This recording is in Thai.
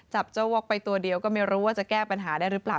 จับเจ้าวกไปตัวเดียวก็ไม่รู้ว่าจะแก้ปัญหาได้หรือเปล่า